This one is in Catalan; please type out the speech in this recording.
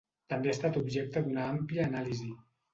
També ha estat objecte d'una àmplia anàlisi.